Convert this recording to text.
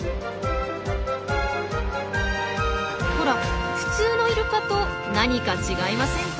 ほら普通のイルカと何か違いませんか？